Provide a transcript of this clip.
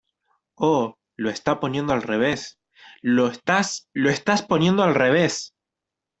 Oh, lo está poniendo al revés. ¡ Lo estás lo estás poniendo al revés!